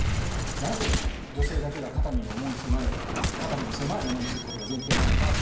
なぜ女性だけが肩身の狭い思いをすることが前提なのか。